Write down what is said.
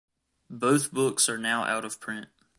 Both books are now out of print.